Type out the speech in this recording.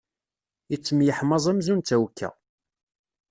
Yettemyeḥmaẓ amzun d tawekka.